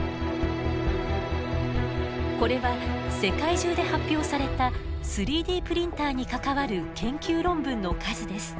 これは世界中で発表された３Ｄプリンターに関わる研究論文の数です。